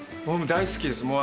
大好きです。